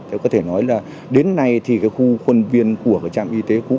thế có thể nói là đến nay thì khu khuôn viên của trạm y tế cũ